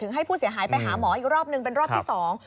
ให้ผู้เสียหายไปหาหมออีกรอบนึงเป็นรอบที่สอง